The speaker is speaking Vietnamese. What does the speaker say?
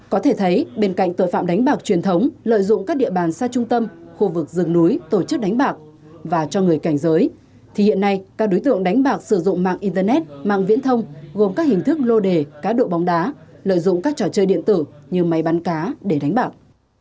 có thể thấy bên cạnh tội phạm đánh bạc truyền thống lợi dụng các địa bàn xa trung tâm khu vực rừng núi tổ chức đánh bạc và cho người cảnh giới thì hiện nay các đối tượng đánh bạc sử dụng mạng internet mạng viễn thông gồm các hình thức lô đề cá độ bóng đá lợi dụng các trò chơi điện tử như máy bán cá để đánh bạc